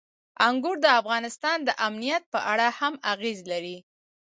انګور د افغانستان د امنیت په اړه هم اغېز لري.